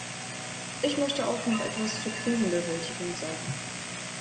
Ich möchte auch noch etwas zur Krisenbewältigung sagen.